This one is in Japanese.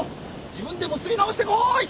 自分で結び直してこい！